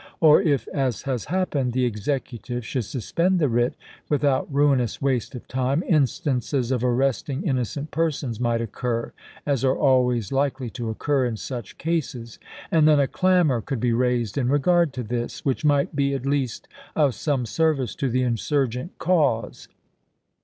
Or if, as has happened, the Executive should suspend the writ, with out ruinous waste of time, instances of arresting innocent persons might occur, as are always likely to occur in such cases, and then a clamor could be raised in regard to this, which might be at least of some service to the insurgent cause.